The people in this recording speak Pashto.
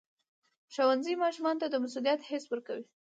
ښوونځی ماشومانو ته د مسؤلیت حس ورکوي.